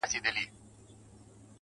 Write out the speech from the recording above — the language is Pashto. د يوسفي حُسن شروع ته سرگردانه وو.